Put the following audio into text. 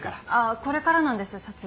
これからなんです撮影。